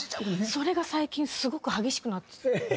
それが最近すごく激しくなってきた。